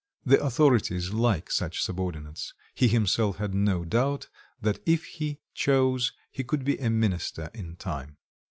The authorities like such subordinates; he himself had no doubt, that if he chose, he could be a minister in time.